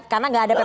karena gak ada pbhn